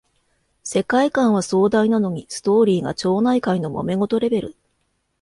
世界観は壮大なのにストーリーが町内会のもめ事レベル